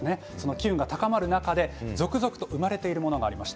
機運が高まる中で続々と生まれているものがあります。